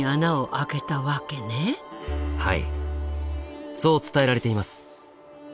はいそう伝えられています。